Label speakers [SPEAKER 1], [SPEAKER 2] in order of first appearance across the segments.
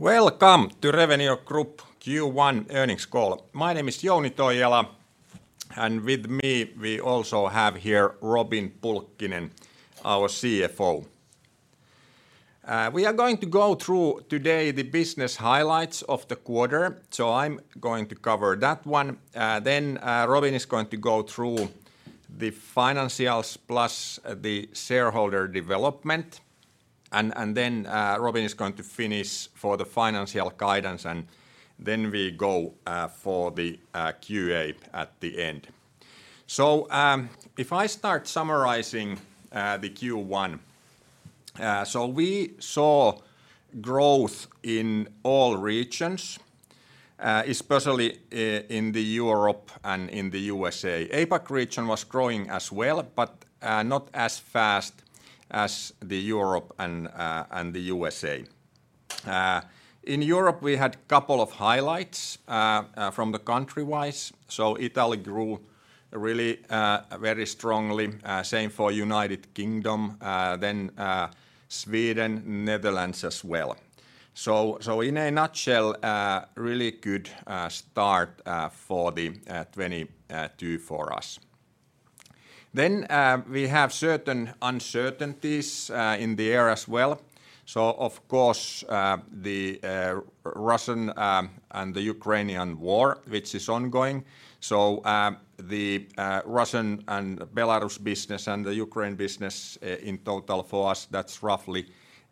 [SPEAKER 1] Welcome to Revenio Group Q1 earnings call. My name is Jouni Toijala, and with me we also have here Robin Pulkkinen, our CFO. We are going to go through today the business highlights of the quarter. I'm going to cover that one. Robin is going to go through the financials plus the shareholder development. Robin is going to finish for the financial guidance, and then we go for the QA at the end. If I start summarizing the Q1. We saw growth in all regions, especially in Europe and in the USA. APAC region was growing as well, but not as fast as Europe and the USA. In Europe, we had a couple of highlights from the country-wise. Italy grew really very strongly. Same for United Kingdom, then Sweden, Netherlands as well. In a nutshell, really good start for the 2022 for us. We have certain uncertainties in the air as well. Of course, the Russian and the Ukrainian war, which is ongoing. The Russian and Belarus business and the Ukraine business in total for us, that's roughly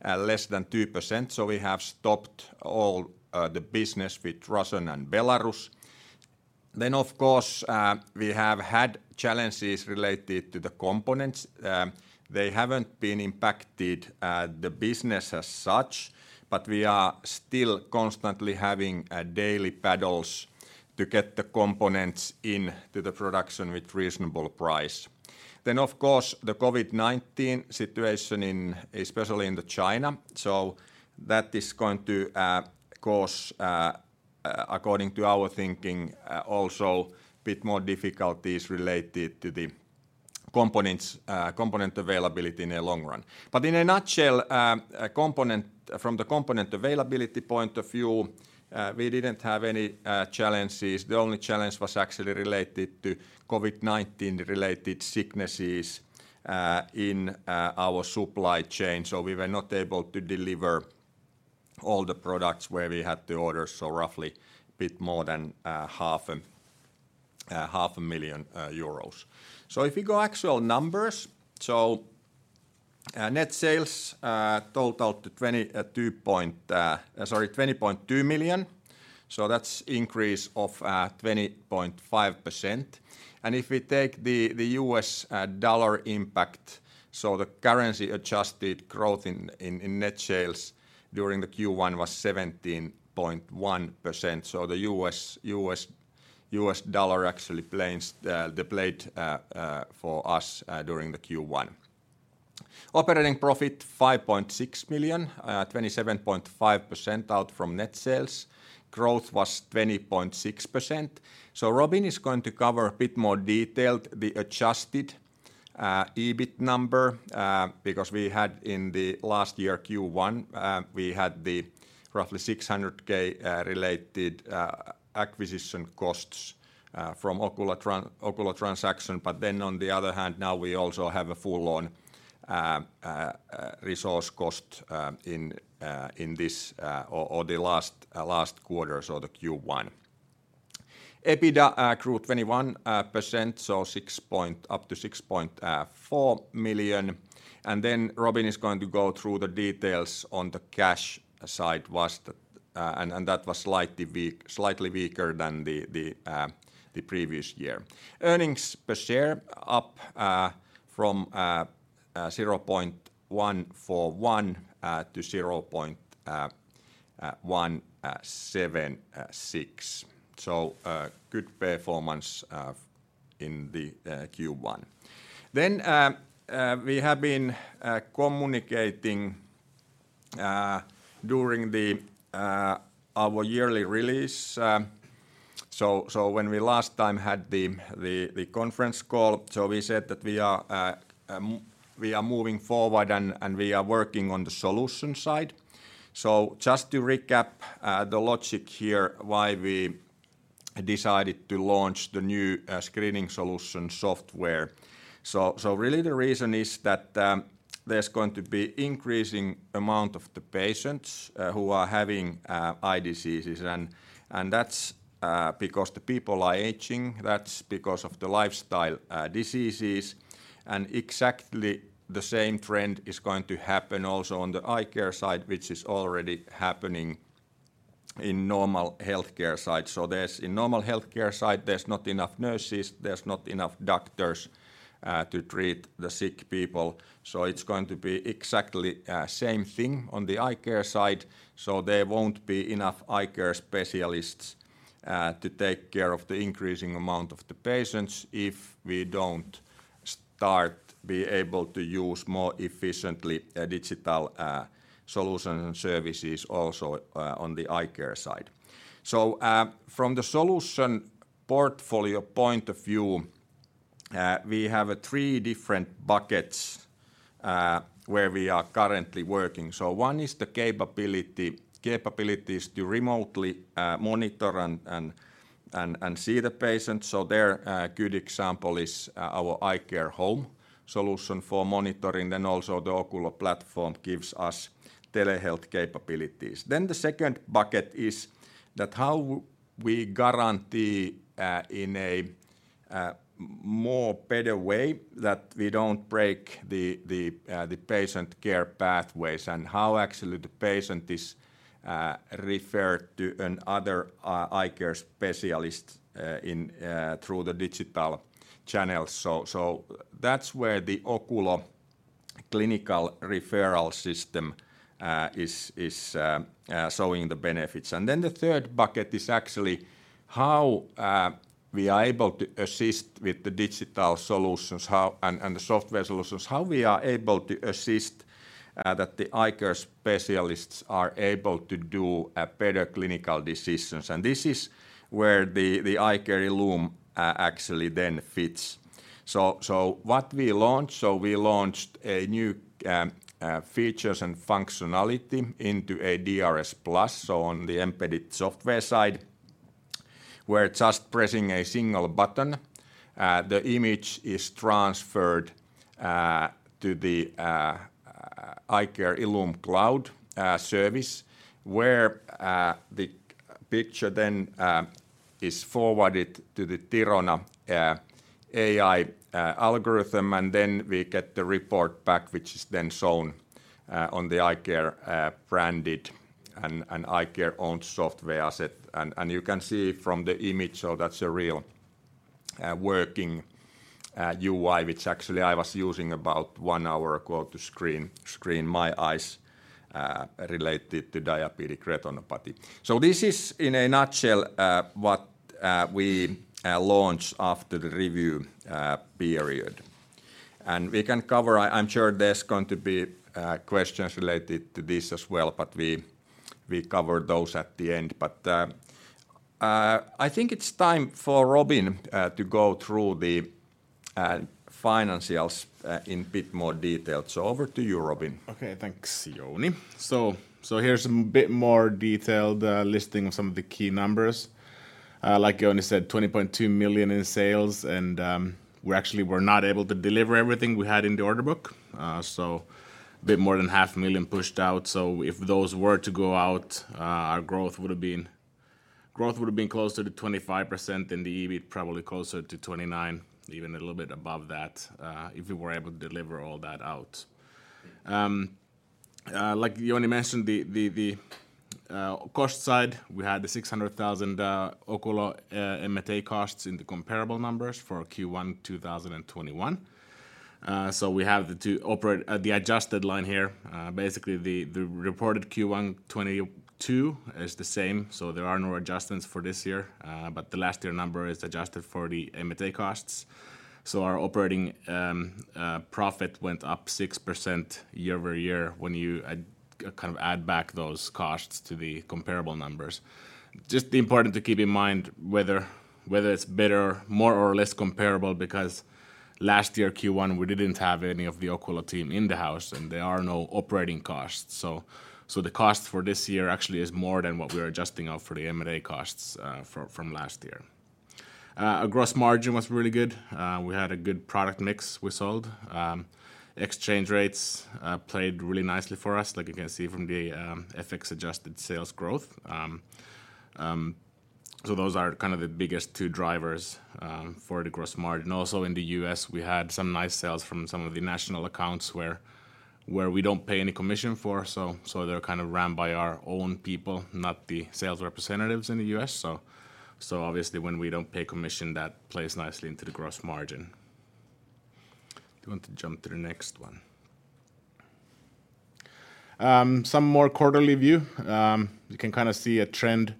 [SPEAKER 1] less than 2%. We have stopped all the business with Russian and Belarus. Of course, we have had challenges related to the components. They haven't been impacted, the business as such, but we are still constantly having daily battles to get the components into the production with reasonable price. Of course, the COVID-19 situation in, especially in China. That is going to cause, according to our thinking, also bit more difficulties related to the components, component availability in the long run. In a nutshell, from the component availability point of view, we didn't have any challenges. The only challenge was actually related to COVID-19-related sicknesses in our supply chain, so we were not able to deliver all the products where we had the orders, so roughly bit more than EUR 500,000. If you go actual numbers, net sales totaled to 20.2 million. That's increase of 20.5%. If we take the U.S. dollar impact, the currency-adjusted growth in net sales during Q1 was 17.1%. The U.S. dollar actually played for us during Q1. Operating profit 5.6 million, 27.5% of net sales. Growth was 20.6%. Robin is going to cover in a bit more detail the adjusted EBIT number because we had in Q1 last year roughly 600,000 related acquisition costs from Oculo transaction. On the other hand, now we also have a full-year resource cost in the last quarter, the Q1. EBITDA grew 21%, so six point. Up to 6.4 million. Then Robin is going to go through the details on the cash side, and that was slightly weaker than the previous year. Earnings per share up from 0.141 to 0.176. Good performance in the Q1. We have been communicating during our yearly release, so when we last time had the conference call, so we said that we are moving forward and we are working on the solution side. Just to recap, the logic here why we decided to launch the new screening solution software. Really the reason is that there's going to be increasing amount of the patients who are having eye diseases and that's because the people are aging, that's because of the lifestyle diseases. Exactly the same trend is going to happen also on the eye care side, which is already happening in normal healthcare side. In normal healthcare side, there's not enough nurses, there's not enough doctors to treat the sick people, so it's going to be exactly same thing on the eye care side. There won't be enough eye care specialists to take care of the increasing amount of the patients if we don't start be able to use more efficiently a digital solution and services also on the eye care side. From the solution portfolio point of view, we have three different buckets where we are currently working. One is the capabilities to remotely monitor and see the patient. There, a good example is our iCare HOME solution for monitoring, then also the Oculo platform gives us telehealth capabilities. The second bucket is that how we guarantee in a more better way that we don't break the patient care pathways and how actually the patient is referred to another eye care specialist in through the digital channels. That's where the Oculo clinical referral system is showing the benefits. The third bucket is actually how we are able to assist with the digital solutions and the software solutions, how we are able to assist that the eye care specialists are able to do better clinical decisions. This is where the iCare ILLUME actually then fits. What we launched a new features and functionality into a iCare DRSplus on the embedded software side, where just pressing a single button the image is transferred to the iCare ILLUME cloud service, where the picture then is forwarded to the Thirona AI algorithm, and then we get the report back which is then shown on the iCare branded and iCare-owned software asset. You can see from the image. That's a real working UI which actually I was using about one hour ago to screen my eyes related to diabetic retinopathy. This is in a nutshell what we launched after the review period. We can cover. I'm sure there's going to be questions related to this as well, but we cover those at the end. I think it's time for Robin to go through the financials in a bit more detail. Over to you, Robin.
[SPEAKER 2] Okay. Thanks, Jouni. Here's a bit more detailed listing of some of the key numbers. Like Jouni said, 20.2 million in sales and we actually were not able to deliver everything we had in the order book. Bit more than half a million EUR pushed out. If those were to go out, our growth would have been growth would have been closer to 25% than the EBIT, probably closer to 29%, even a little bit above that, if we were able to deliver all that out. Like Jouni mentioned, the cost side, we had the 600,000 Oculo M&A costs in the comparable numbers for Q1 2021. We have the adjusted line here. Basically, the reported Q1 2022 is the same, so there are no adjustments for this year, but the last year number is adjusted for the M&A costs. Our operating profit went up 6% year-over-year when you add back those costs to the comparable numbers. Just important to keep in mind whether it's better, more or less comparable because last year Q1, we didn't have any of the Oculo team in the house, and there are no operating costs. The cost for this year actually is more than what we're adjusting out for the M&A costs from last year. Our gross margin was really good. We had a good product mix we sold. Exchange rates played really nicely for us, like you can see from the FX adjusted sales growth. Those are kind of the biggest two drivers for the gross margin. Also in the U.S., we had some nice sales from some of the national accounts where we don't pay any commission for, so they're kind of run by our own people, not the sales representatives in the U.S. Obviously when we don't pay commission, that plays nicely into the gross margin. If you want to jump to the next one. Some more quarterly view. You can kinda see a trend,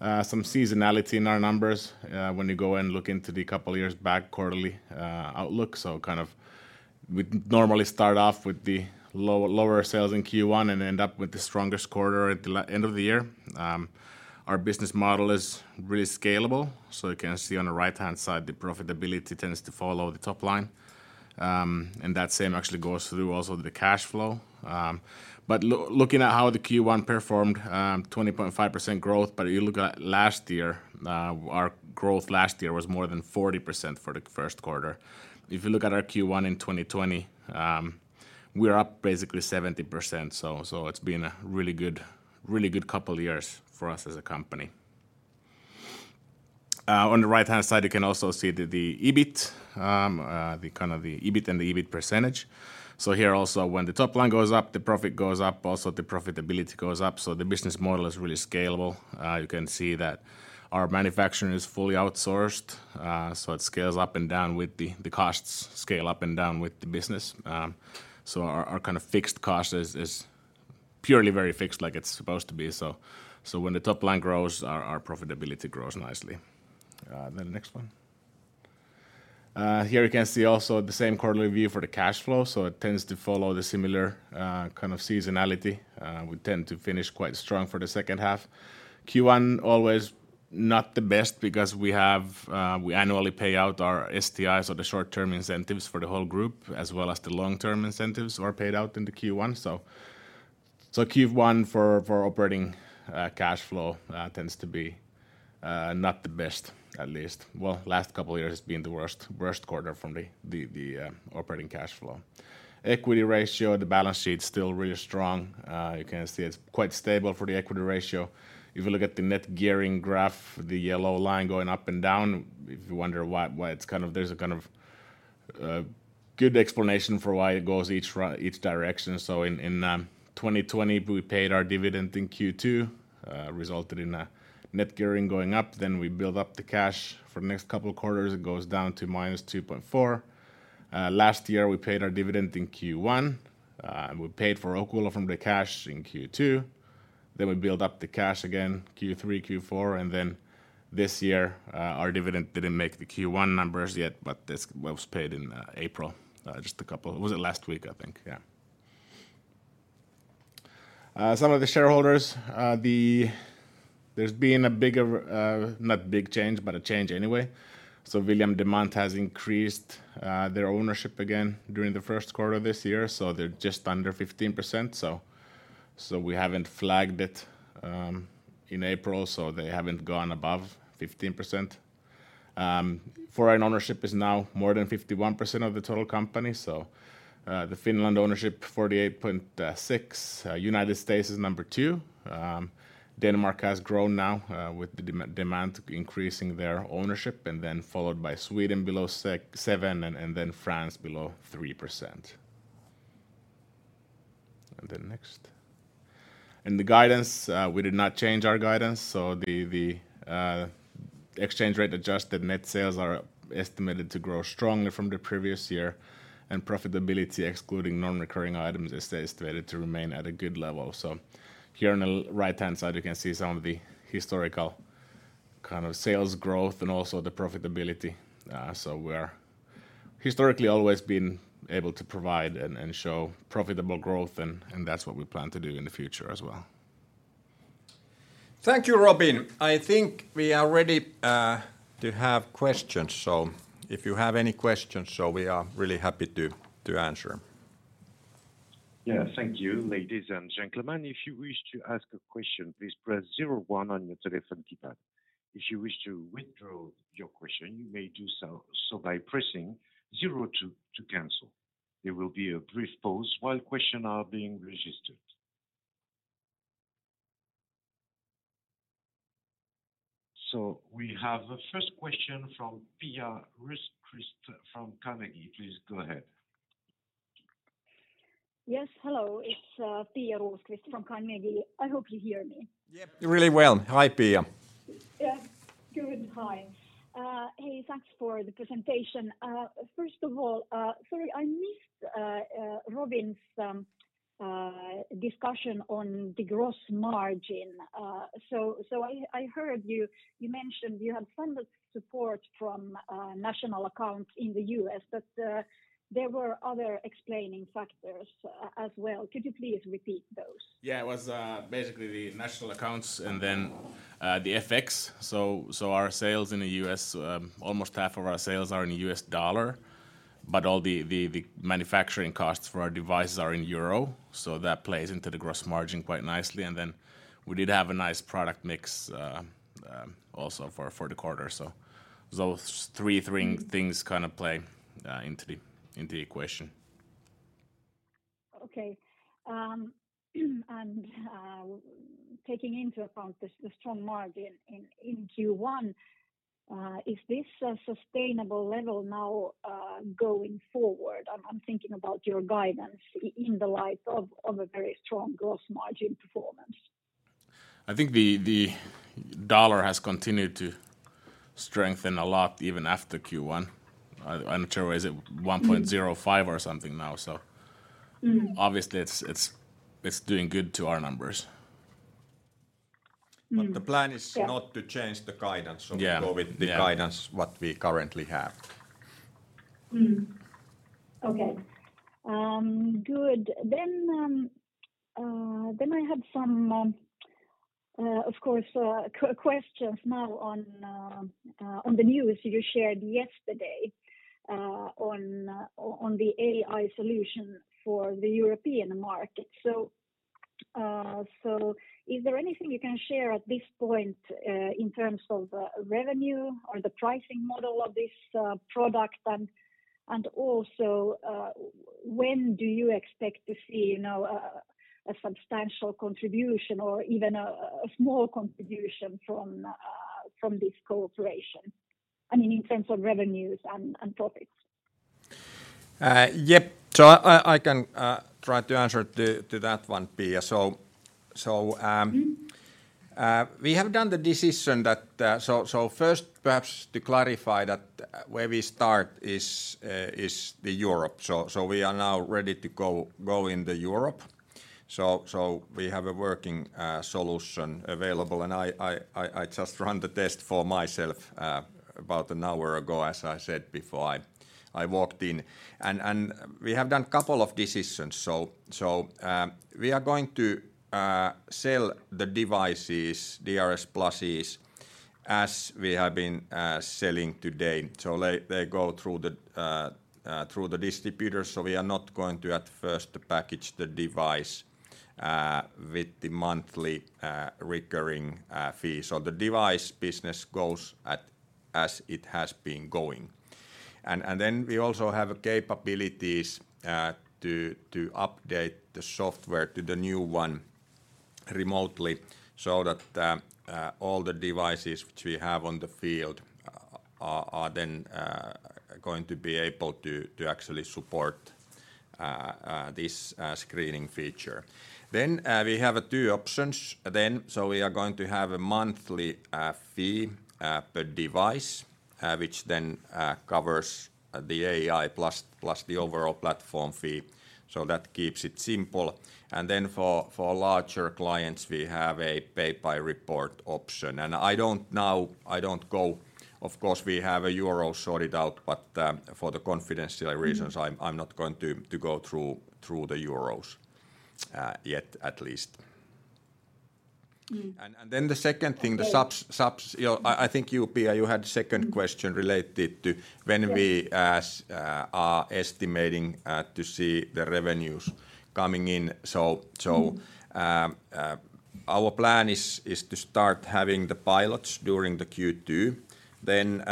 [SPEAKER 2] some seasonality in our numbers, when you go and look into the couple years back quarterly outlook. We normally start off with the lower sales in Q1 and end up with the strongest quarter at the end of the year. Our business model is really scalable. You can see on the right-hand side, the profitability tends to follow the top line. That same actually goes through also the cash flow. Looking at how the Q1 performed, 20.5% growth. You look at last year, our growth last year was more than 40% for the first quarter. If you look at our Q1 in 2020, we're up basically 70%. It's been a really good couple years for us as a company. On the right-hand side, you can also see the EBIT and the EBIT percentage. Here also when the top line goes up, the profit goes up. Also the profitability goes up. The business model is really scalable. You can see that our manufacturing is fully outsourced, so it scales up and down with the costs scale up and down with the business. Our kind of fixed cost is purely very fixed like it's supposed to be. When the top line grows, our profitability grows nicely. Next one. Here you can see also the same quarterly view for the cash flow. It tends to follow the similar kind of seasonality. We tend to finish quite strong for the second half. Q1 always not the best because we have we annually pay out our STIs or the short-term incentives for the whole group, as well as the long-term incentives are paid out in the Q1. Q1 for operating cashflow tends to be not the best at least. Well, last couple years has been the worst quarter from the operating cashflow. Equity ratio, the balance sheet's still really strong. You can see it's quite stable for the equity ratio. If you look at the net gearing graph, the yellow line going up and down, if you wonder why it's kind of. There's a kind of good explanation for why it goes each direction. In 2020 we paid our dividend in Q2, resulted in a net gearing going up, then we build up the cash for the next couple quarters, it goes down to -2.4. Last year we paid our dividend in Q1 and we paid for Oculo from the cash in Q2. Then we build up the cash again Q3, Q4, and then this year our dividend didn't make the Q1 numbers yet, but this was paid in April. Some of the shareholders, the... There's been a bigger not big change, but a change anyway. William Demant has increased their ownership again during the first quarter this year, so they're just under 15%. We haven't flagged it in April, so they haven't gone above 15%. Foreign ownership is now more than 51% of the total company. Finnish ownership 48.6%. United States is number two. Denmark has grown now with the Demant increasing their ownership, and then followed by Sweden below 7% and then France below 3%. Next. We did not change our guidance, so the exchange rate adjusted net sales are estimated to grow strongly from the previous year, and profitability excluding non-recurring items is estimated to remain at a good level. Here on the right-hand side you can see some of the historical kind of sales growth and also the profitability. We're historically always been able to provide and show profitable growth, and that's what we plan to do in the future as well.
[SPEAKER 1] Thank you, Robin. I think we are ready to have questions. If you have any questions, so we are really happy to answer.
[SPEAKER 3] Yeah. Thank you. Ladies and gentlemen, if you wish to ask a question, please press zero one on your telephone keypad. If you wish to withdraw your question, you may do so by pressing zero two to cancel. There will be a brief pause while questions are being registered. We have the first question from Pia Rosqvist from Carnegie. Please go ahead.
[SPEAKER 4] Yes. Hello. It's Pia Rosqvist from Carnegie. I hope you hear me.
[SPEAKER 1] Yeah. Really well. Hi, Pia.
[SPEAKER 4] Yeah. Good. Hi. Hey, thanks for the presentation. First of all, sorry, I missed Robin's discussion on the gross margin. I heard you mentioned you had some support from national accounts in the U.S., but there were other explanatory factors as well. Could you please repeat those?
[SPEAKER 2] Yeah. It was basically the national accounts and then the FX. Our sales in the U.S., almost half of our sales are in U.S. dollar, but all the manufacturing costs for our devices are in euro, so that plays into the gross margin quite nicely, and then we did have a nice product mix also for the quarter. Those three things kind of play into the equation.
[SPEAKER 4] Okay. Taking into account the strong margin in Q1, is this a sustainable level now, going forward? I'm thinking about your guidance in the light of a very strong gross margin performance.
[SPEAKER 2] I think the dollar has continued to strengthen a lot even after Q1. I'm not sure, is it 1.05 or something now? Obviously it's doing good to our numbers.
[SPEAKER 1] The plan is-
[SPEAKER 4] Yeah
[SPEAKER 1] Not to change the guidance.
[SPEAKER 2] Yeah. Yeah
[SPEAKER 1] We go with the guidance what we currently have.
[SPEAKER 4] Okay. Good. I have some questions now on the news you shared yesterday on the AI solution for the European market. Is there anything you can share at this point in terms of revenue or the pricing model of this product? And also, when do you expect to see, you know, a substantial contribution or even a small contribution from this cooperation? I mean, in terms of revenues and topics.
[SPEAKER 1] Yep. I can try to answer to that one, Pia. We have done the decision that first perhaps to clarify that where we start is Europe. We are now ready to go in Europe. We have a working solution available, and I just run the test for myself about an hour ago, as I said before. I walked in. We have done couple of decisions. We are going to sell the devices, DRSplus, as we have been selling today. They go through the distributors, so we are not going to at first package the device with the monthly recurring fee. The device business goes as it has been going. We also have capabilities to update the software to the new one remotely so that all the devices which we have in the field are then going to be able to actually support this screening feature. We have two options. We are going to have a monthly fee per device which then covers the AI plus the overall platform fee, so that keeps it simple. For larger clients, we have a pay-by-report option. Of course, we have euro sorted out, but for the confidentiality reasons, I'm not going to go through the euros yet at least.
[SPEAKER 4] Mm-hmm.
[SPEAKER 1] You know, I think you, Pia, you had second question related to when we are estimating to see the revenues coming in. Our plan is to start having the pilots during the Q2. Then,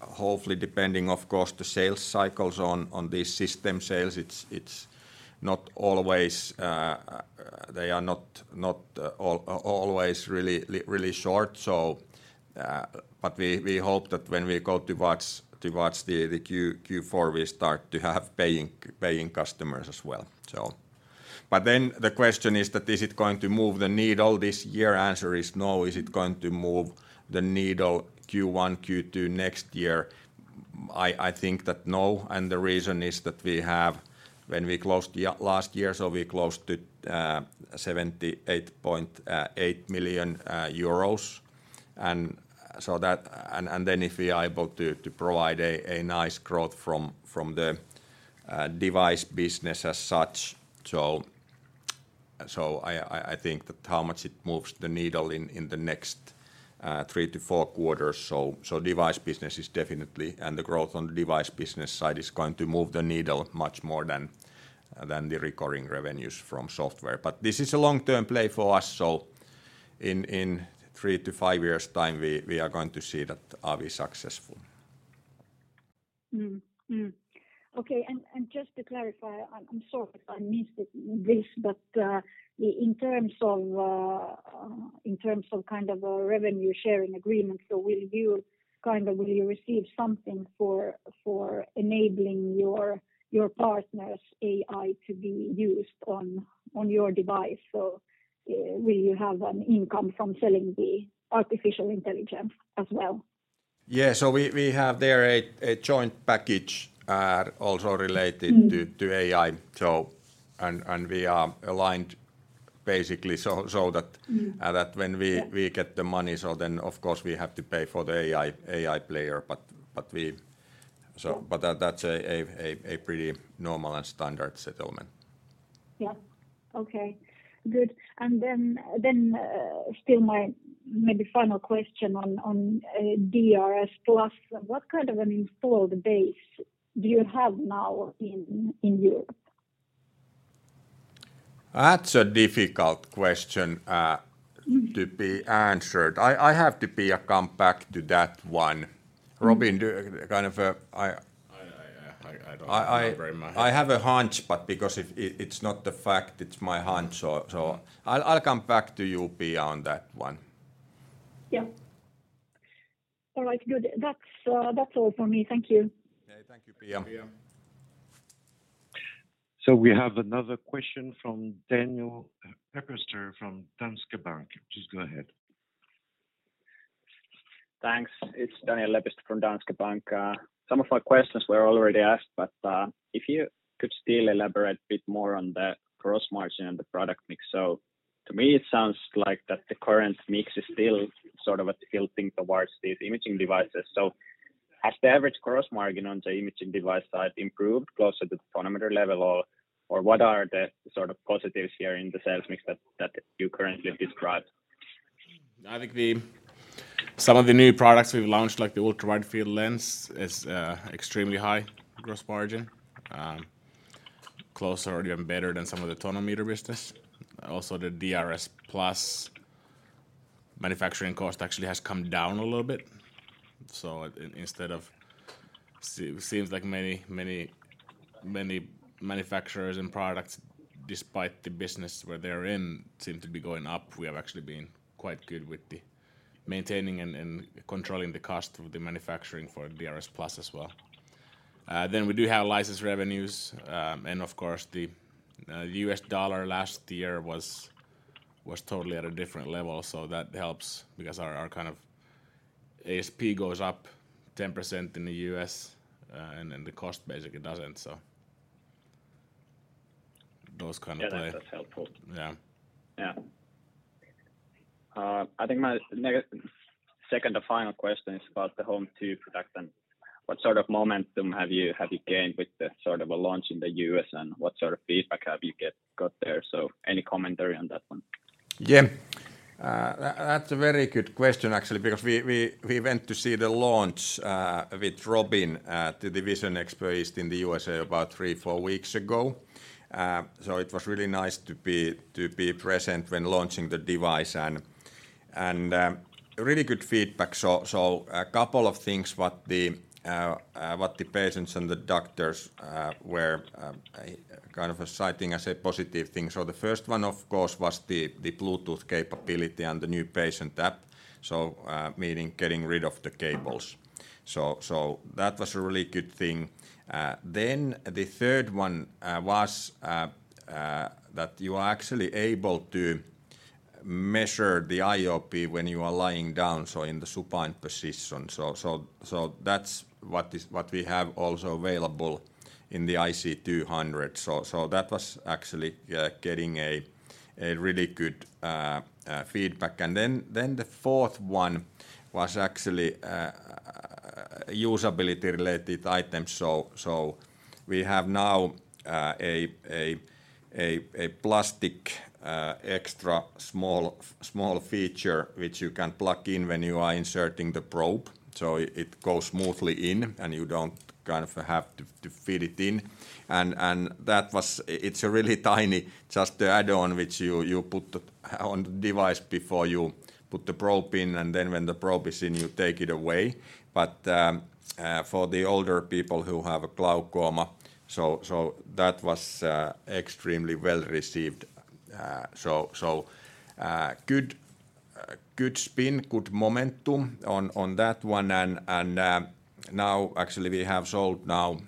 [SPEAKER 1] hopefully, depending of course the sales cycles on these system sales, it's not always they are not always really short. But we hope that when we go towards the Q4, we start to have paying customers as well. The question is that is it going to move the needle this year? Answer is no. Is it going to move the needle Q1, Q2 next year? I think no, and the reason is that when we closed the year last year, we closed at 78.8 million euros. Then if we are able to provide a nice growth from the device business as such. I think how much it moves the needle in the next three to four quarters. Device business is definitely, and the growth on the device business side is going to move the needle much more than the recurring revenues from software. This is a long-term play for us, in three to five years' time we are going to see whether we are successful.
[SPEAKER 4] Okay. Just to clarify, I'm sorry if I missed this, but in terms of kind of a revenue sharing agreement, will you receive something for enabling your partner's AI to be used on your device? Will you have an income from selling the artificial intelligence as well?
[SPEAKER 1] Yeah. We have there a joint package, also related-
[SPEAKER 4] Mm-hmm.
[SPEAKER 1] To AI, we are aligned basically so that-
[SPEAKER 4] Mm-hmm.
[SPEAKER 1] That when we-
[SPEAKER 4] Yeah.
[SPEAKER 1] We get the money, of course, we have to pay for the AI player, but we've-
[SPEAKER 4] Yeah.
[SPEAKER 1] But that's a pretty normal and standard settlement.
[SPEAKER 4] Okay. Good. Then still my maybe final question on DRSplus. What kind of an installed base do you have now in Europe?
[SPEAKER 1] That's a difficult question to be answered. I have to, Pia, come back to that one. Robin, do kind of a.
[SPEAKER 2] I don't have it right in my head.
[SPEAKER 1] I have a hunch, but because it's not the fact, it's my hunch. I'll come back to you, Pia, on that one.
[SPEAKER 4] Yeah. All right. Good. That's all for me. Thank you.
[SPEAKER 1] Okay. Thank you, Pia.
[SPEAKER 3] Thank you, Pia. We have another question from Daniel Lepistö from Danske Bank. Please go ahead.
[SPEAKER 5] Thanks. It's Daniel Lepistö from Danske Bank. Some of my questions were already asked, but if you could still elaborate a bit more on the gross margin and the product mix. To me, it sounds like that the current mix is still sort of a tilting towards these imaging devices. Has the average gross margin on the imaging device side improved closer to the tonometer level or what are the sort of positives here in the sales mix that you currently describe?
[SPEAKER 2] I think some of the new products we've launched, like the EIDON Ultra-Widefield Module, is extremely high gross margin, close or even better than some of the tonometer business. Also, the DRSplus manufacturing cost actually has come down a little bit. Seems like many manufacturers and products, despite the business where they're in, seem to be going up. We have actually been quite good with the maintaining and controlling the cost of the manufacturing for DRSplus as well. We do have license revenues. Of course, the U.S. dollar last year was totally at a different level, so that helps because our kind of ASP goes up 10% in the U.S., and then the cost basically doesn't, so. Those kind of-
[SPEAKER 5] Yeah, that's helpful.
[SPEAKER 2] Yeah.
[SPEAKER 5] Yeah. I think my second to final question is about the HOME2 product and what sort of momentum have you gained with the sort of a launch in the U.S. and what sort of feedback have you got there? Any commentary on that one?
[SPEAKER 1] Yeah. That's a very good question actually because we went to see the launch with Robin, the division expert based in the USA about three to four weeks ago. It was really nice to be present when launching the device and really good feedback. A couple of things what the patients and the doctors were kind of citing as a positive thing. The first one of course was the Bluetooth capability and the new patient app, meaning getting rid of the cables. That was a really good thing. Then the third one was that you are actually able to measure the IOP when you are lying down, so in the supine position. That's what is. What we have also available in the iCare IC200. That was actually getting really good feedback. The fourth one was actually usability related items. We have now a plastic extra small feature which you can plug in when you are inserting the probe, so it goes smoothly in and you don't kind of have to fit it in. That was. It's a really tiny, just the add-on which you put on the device before you put the probe in, and then when the probe is in, you take it away. For the older people who have glaucoma, that was extremely well-received. Good spin, good momentum on that one. Now actually we have sold now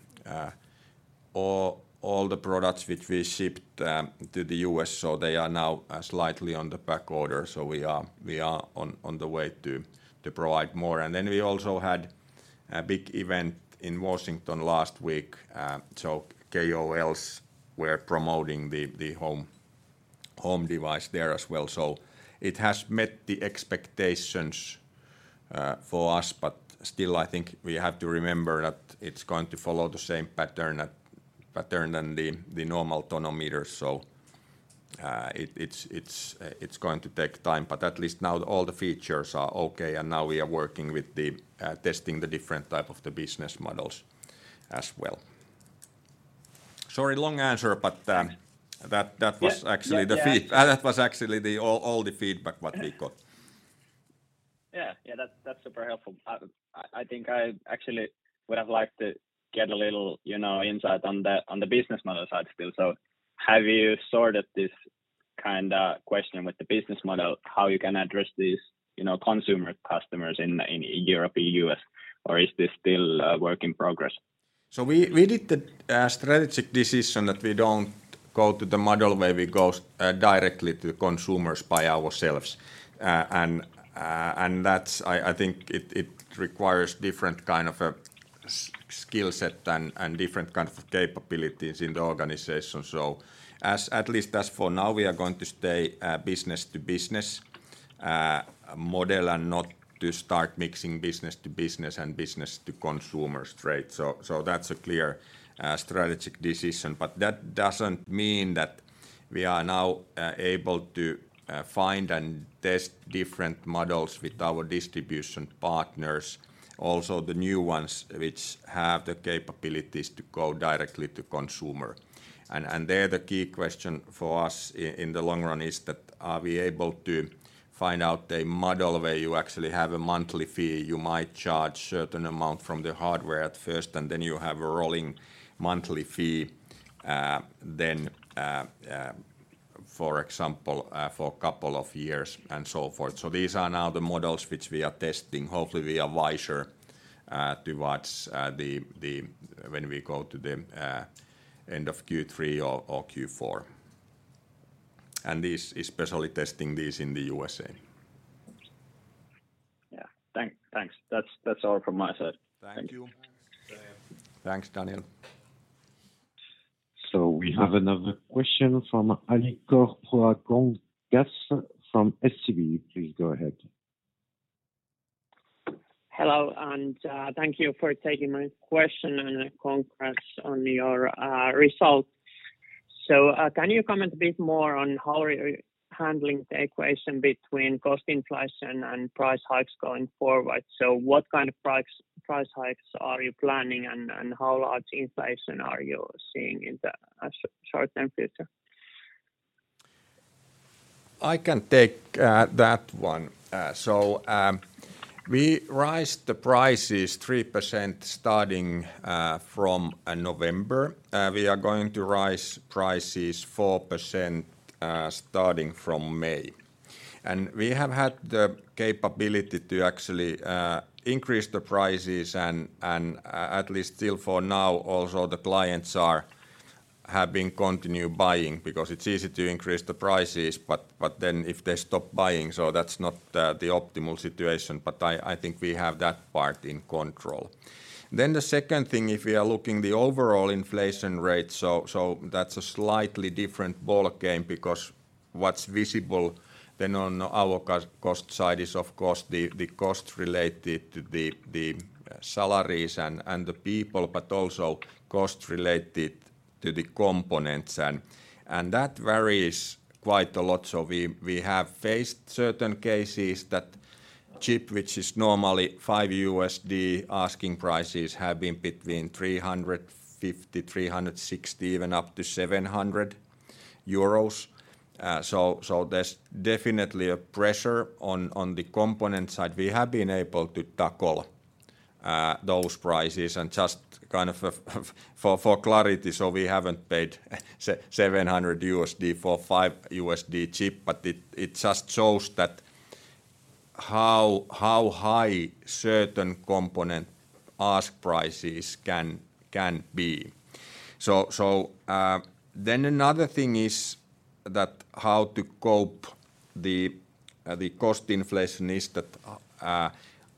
[SPEAKER 1] all the products which we shipped to the U.S., so they are now slightly on the back order. We are on the way to provide more. We also had a big event in Washington last week, so KOLs were promoting the home device there as well. It has met the expectations for us, but still I think we have to remember that it's going to follow the same pattern than the normal tonometer. It is going to take time, but at least now all the features are okay and now we are working with the testing the different type of the business models as well. Sorry, long answer, but
[SPEAKER 5] Yeah.
[SPEAKER 1] That was actually the feed-
[SPEAKER 5] Yeah, yeah.
[SPEAKER 1] That was actually all the feedback that we got.
[SPEAKER 5] Yeah. That's super helpful. I think I actually would have liked to get a little, you know, insight on the business model side still. Have you sorted this kinda question with the business model, how you can address these, you know, consumer customers in Europe, in U.S., or is this still a work in progress?
[SPEAKER 1] We did the strategic decision that we don't go to the model where we go directly to consumers by ourselves. That's, I think it requires different kind of a skill set and different kind of capabilities in the organization. At least as for now, we are going to stay a business to business model and not to start mixing business to business and business to consumer straight. That's a clear strategic decision. That doesn't mean that we are now able to find and test different models with our distribution partners, also the new ones which have the capabilities to go directly to consumer. There the key question for us in the long run is that are we able to find out a model where you actually have a monthly fee, you might charge certain amount from the hardware at first, and then you have a rolling monthly fee, then, for example, for couple of years and so forth. These are now the models which we are testing. Hopefully, we are wiser towards when we go to the end of Q3 or Q4. This, especially testing this in the USA.
[SPEAKER 5] Yeah. Thanks. That's all from my side.
[SPEAKER 1] Thank you.
[SPEAKER 2] Thanks, Daniel.
[SPEAKER 3] We have another question from Aliko Proagongas from SEB. Please go ahead.
[SPEAKER 6] Hello, and thank you for taking my question, and congrats on your results. Can you comment a bit more on how are you handling the equation between cost inflation and price hikes going forward? What kind of price hikes are you planning and how large inflation are you seeing in the short-term future?
[SPEAKER 1] I can take that one. We raised the prices 3% starting from November. We are going to raise prices 4% starting from May. We have had the capability to actually increase the prices and at least till now also the clients have been continue buying because it's easy to increase the prices but then if they stop buying that's not the optimal situation. I think we have that part in control. The second thing, if we are looking the overall inflation rate that's a slightly different ballgame because what's visible then on our cost side is of course the cost related to the salaries and the people, but also costs related to the components and that varies quite a lot. We have faced certain cases that chips, which are normally $5, asking prices have been between 350, 360, even up to 700 euros. There's definitely a pressure on the component side. We have been able to tackle those prices and just kind of for clarity, we haven't paid seven hundred USD for $5 chip, but it just shows that how high certain component ask prices can be. Another thing is that how to cope with the cost inflation is that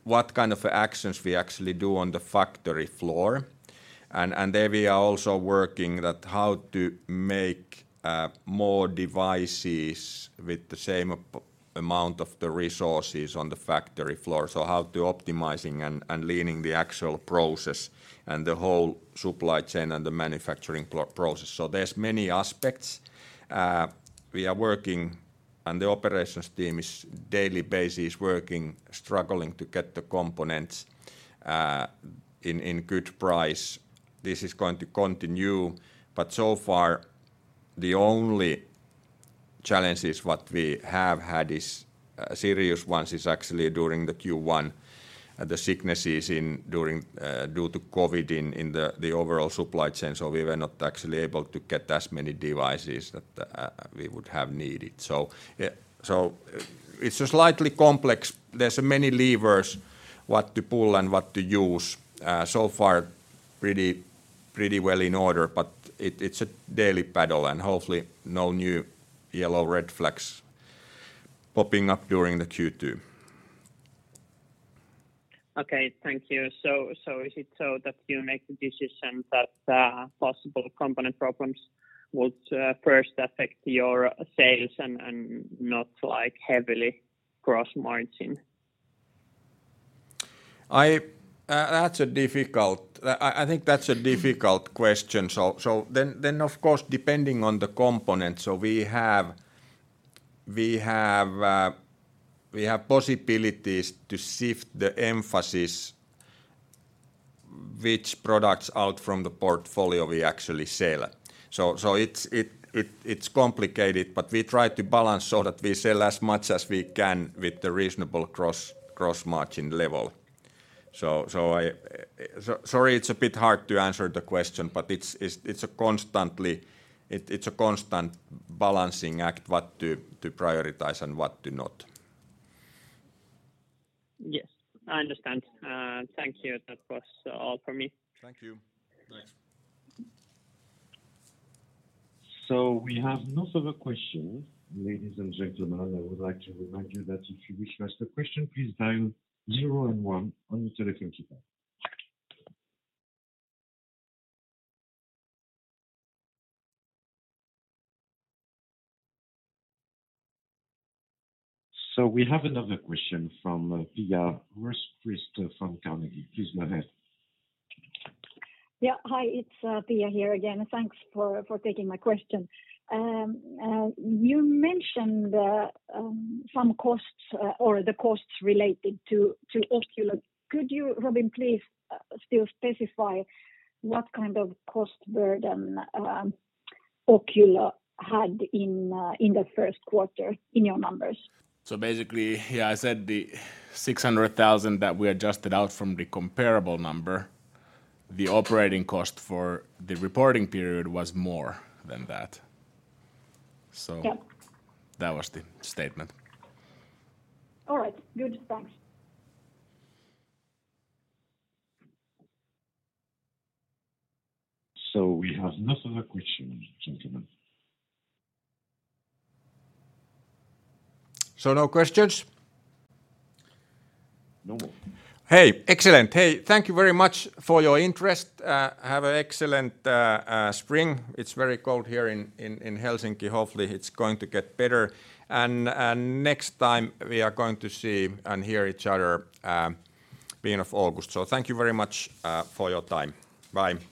[SPEAKER 1] what kind of actions we actually do on the factory floor. There we are also working on how to make more devices with the same amount of the resources on the factory floor. How to optimize and leaning the actual process and the whole supply chain and the manufacturing process. There's many aspects. We are working and the operations team is on a daily basis working, struggling to get the components in good price. This is going to continue, but so far the only challenges what we have had is serious ones is actually during the Q1, the sicknesses during due to COVID in the overall supply chain. We were not actually able to get as many devices that we would have needed. It's a slightly complex. There's many levers what to pull and what to use. So far pretty well in order, but it's a daily battle and hopefully no new yellow, red flags popping up during the Q2.
[SPEAKER 6] Okay. Thank you. Is it so that you make the decision that possible component problems would first affect your sales and not like heavily gross margin?
[SPEAKER 1] I think that's a difficult question. Of course, depending on the component. We have possibilities to shift the emphasis which products out from the portfolio we actually sell. It's complicated, but we try to balance so that we sell as much as we can with the reasonable gross margin level. Sorry, it's a bit hard to answer the question, but it's a constant balancing act, what to prioritize and what to not.
[SPEAKER 6] Yes, I understand. Thank you. That was all for me.
[SPEAKER 1] Thank you. Nice.
[SPEAKER 3] We have no further questions. Ladies and gentlemen, I would like to remind you that if you wish to ask a question, please dial zero and one on your telephone keypad. We have another question from Pia Rosqvist from Carnegie. Please go ahead.
[SPEAKER 4] Yeah. Hi, it's Pia here again. Thanks for taking my question. You mentioned some costs or the costs related to Oculo. Could you, Robin, please still specify what kind of cost burden Oculo had in the first quarter in your numbers?
[SPEAKER 2] Basically, yeah, I said the 600,000 that we adjusted out from the comparable number. The operating cost for the reporting period was more than that.
[SPEAKER 4] Yeah.
[SPEAKER 2] That was the statement.
[SPEAKER 4] All right. Good. Thanks.
[SPEAKER 3] We have no further questions, gentlemen.
[SPEAKER 1] No questions?
[SPEAKER 3] No more.
[SPEAKER 1] Hey, excellent. Hey, thank you very much for your interest. Have an excellent spring. It's very cold here in Helsinki. Hopefully, it's going to get better. Next time we are going to see and hear each other beginning of August. Thank you very much for your time. Bye.